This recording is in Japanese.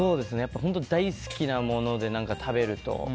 本当、大好きなものを食べると。